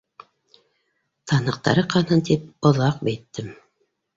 Танһыҡтары ҡанһын тип, оҙаҡ бейеттем.